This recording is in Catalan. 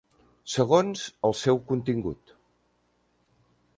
Segons el seu contingut.